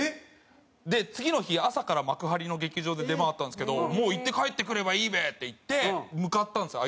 で次の日朝から幕張の劇場で出番あったんですけど「もう行って帰ってくればいいべ」って言って向かったんですよ